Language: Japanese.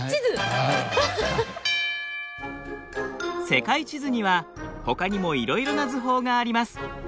世界地図にはほかにもいろいろな図法があります。